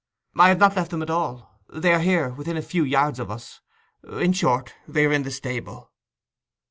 'I have not left them at all. They are here—within a few yards of us. In short, they are in the stable.